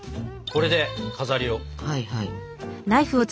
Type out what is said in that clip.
これで飾りを。